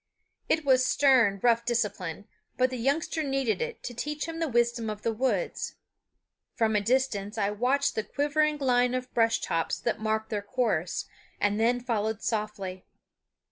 It was stern, rough discipline; but the youngster needed it to teach him the wisdom of the woods. From a distance I watched the quivering line of brush tops that marked their course, and then followed softly.